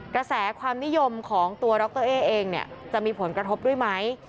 กระแสความนิยมของตัวดรเอ๊เองเนี่ยจะมีผลกระทบด้วยไหม